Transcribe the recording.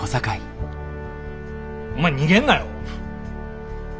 お前逃げんなよ！